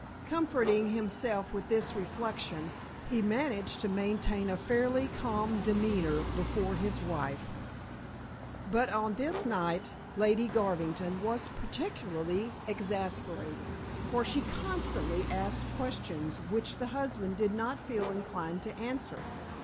Comforting himself with this reflection, he managed to maintain a fairly calm demeanor before his wife. But on this night Lady Garvington was particularly exasperating, for she constantly asked questions which the husband did not feel inclined to answer.